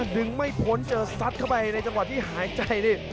ดึงไม่พ้นเจอซัดเข้าไปในจังหวะที่หายใจนี่